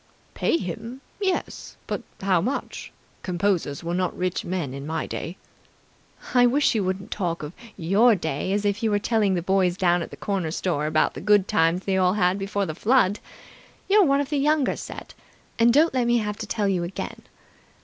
"Pay him? Yes, but how much? Composers were not rich men in my day." "I wish you wouldn't talk of 'your day' as if you telling the boys down at the corner store about the good times they all had before the Flood. You're one of the Younger Set and don't let me have to tell you again.